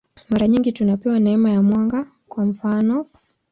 Mara nyingi tunapewa neema ya mwanga, kwa mfanof.